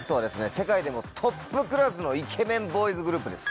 世界でもトップクラスのイケメンボーイズグループです。